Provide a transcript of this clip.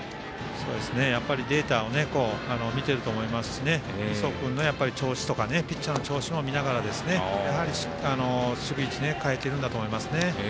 やっぱりデータを見ていると思いますし磯君の調子とかピッチャーの調子も見ながら守備位置変えてると思います。